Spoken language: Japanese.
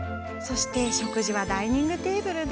食事はダイニングテーブルで。